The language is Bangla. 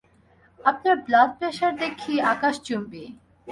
আপনার ব্লাড প্রেশার দেখি আকাশচুম্বী।